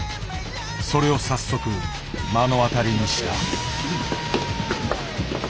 それを早速目の当たりにした。